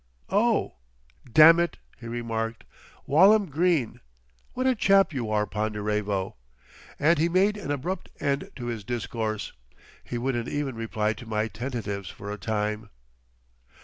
_" "Oh! damn it!" he remarked, "Walham Green! What a chap you are, Ponderevo!" and he made an abrupt end to his discourse. He wouldn't even reply to my tentatives for a time.